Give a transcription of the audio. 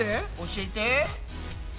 教えて。